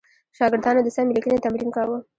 شاګردانو د سمې لیکنې تمرین کاوه.